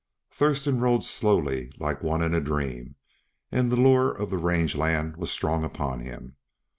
Thurston rode slowly like one in a dream, and the lure of the range land was strong upon him.